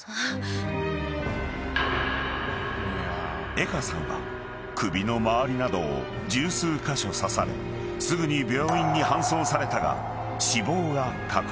［江歌さんは首の周りなどを十数カ所刺されすぐに病院に搬送されたが］